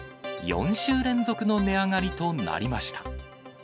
４週連続の値上がりとなりました。